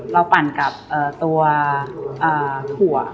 เราจะปันกับตัวถั่ว